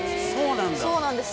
そうなんだ。